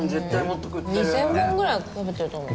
２０００本ぐらい食べてると思う。